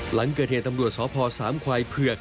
หลังเกิดเหตุตำรวจสพสามควายเผือก